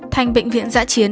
thành bệnh viện giã chiến